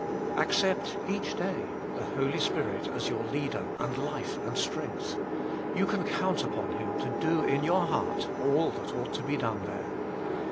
Accept each day the Holy Spirit as your Leader and Life and Strength ; you can count upon Him to do in your heart all that ought to be done there.